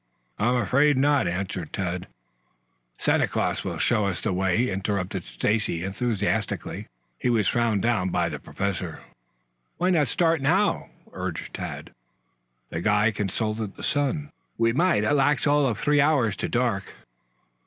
"I'm afraid not," answered Tad. "Santa Claus will show us the way," interrupted Stacy enthusiastically. He was frowned down by the Professor. "Why not start now?" urged Tad. The guide consulted the sun. "We might. It lacks all of three hours to dark."